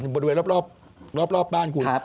บริเวณรอบบ้านคุณ